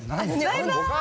バイバイ。